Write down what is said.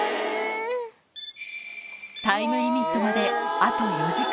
タイムリミットまであと４時間。